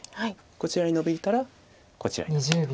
こちらにノビたらこちらにノビると。